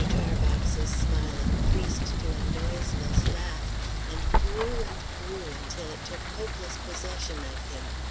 Tarbox's smile increased to a noiseless laugh, and grew and grew until it took hopeless possession of him.